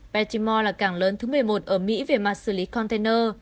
petimore là cảng lớn thứ một mươi một ở mỹ về mặt xử lý container